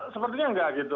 sepertinya tidak gitu